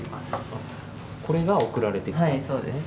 これが送られてきたわけですね。